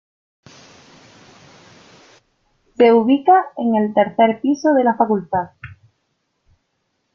Se ubica en el tercer piso de la Facultad.